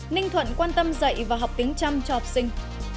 ninh thuận quan tâm dạy và học tính chăm cho học sinh